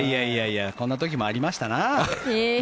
こんな時もありましたな。